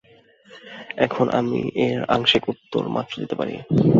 এখন আমি এর আংশিক উত্তর মাত্র দিতে পারি।